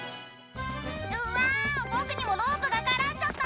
「うわ僕にもロープが絡んじゃった！」